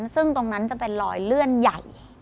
ซึ่งตรงนั้นจะเป็นรอยเลื่อนใหญ่